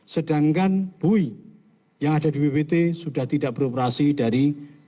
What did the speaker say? sedangkan bui yang ada di bppt sudah tidak beroperasi dari dua ribu delapan belas